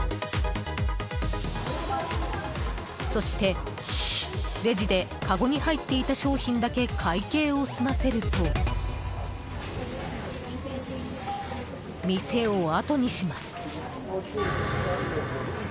そして、レジでかごに入っていた商品だけ会計を済ませると店をあとにします。